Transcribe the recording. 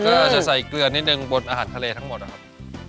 ก็จะใส่เกลือนิดนึงบนอาหารทะเลทั้งหมดนะครับ